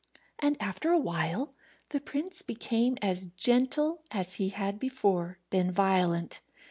And after a while the prince became as gentle as he had before been violent.